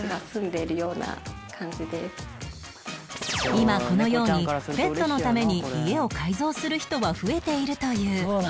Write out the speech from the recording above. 今このようにペットのために家を改造する人は増えているという